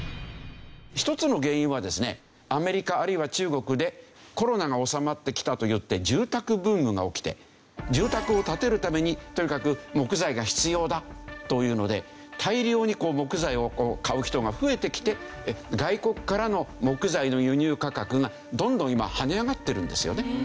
一つの原因はですねアメリカあるいは中国でコロナが収まってきたといって住宅ブームが起きて住宅を建てるためにとにかく木材が必要だというので大量に木材を買う人が増えてきて外国からの木材の輸入価格がどんどん今跳ね上がってるんですよね。